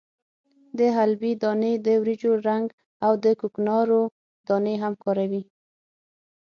د حلبې دانې، د وریجو رنګ او د کوکنارو دانې هم کاروي.